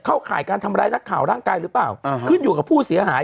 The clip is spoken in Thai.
ข่ายการทำร้ายนักข่าวร่างกายหรือเปล่าอ่าขึ้นอยู่กับผู้เสียหาย